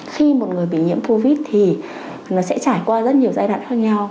khi một người bị nhiễm covid thì nó sẽ trải qua rất nhiều giai đoạn khác nhau